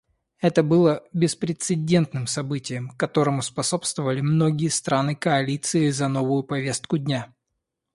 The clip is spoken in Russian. Это было беспрецедентным событием, которому способствовали многие страны Коалиции за новую повестку дня.